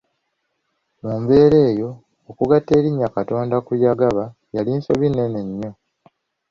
Mu mbeera eyo, okugatta erinnya “Katonda” ku “y’agaba” yali nsobi nnene nnyo.